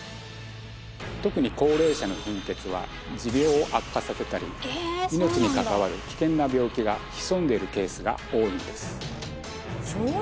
特に高齢者の貧血は持病を悪化させたり命に関わる危険な病気が潜んでいるケースが多いんです